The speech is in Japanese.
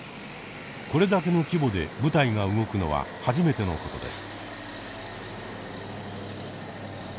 これだけの規模で部隊が動くのは初めてのことです。